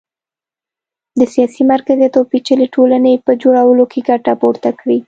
د سیاسي مرکزیت او پېچلې ټولنې په جوړولو کې ګټه پورته کړي